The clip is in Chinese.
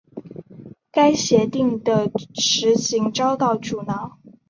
该协定的实行遭到阻挠。